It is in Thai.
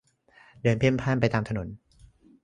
เดินเพ่นพ่านไปตามถนน